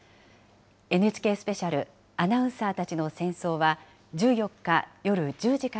ＮＨＫスペシャル、アナウンサーたちの戦争は、１４日夜１０時か